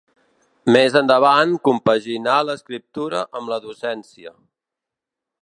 Més endavant compaginà l'escriptura amb la docència.